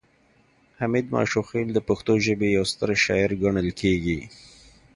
حمید ماشوخیل د پښتو ژبې یو ستر شاعر ګڼل کیږي